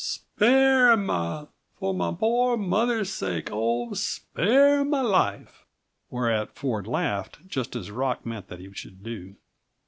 "Spare muh for muh poor mother's sake, oh spare muh life!" Whereat Ford laughed, just as Rock meant that he should do.